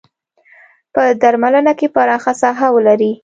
په درملنه کې پراخه ساحه ولري.